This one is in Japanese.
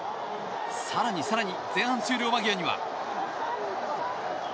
更に更に前半終了間際には。